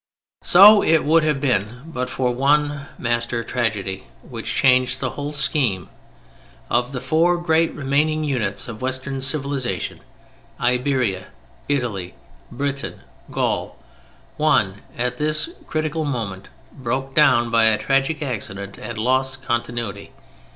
So it would have been—but for one master tragedy, which changed the whole scheme. Of the four great remaining units of Western civilization, Iberia, Italy, Britain, Gaul, one, at this critical moment, broke down by a tragic accident and lost continuity.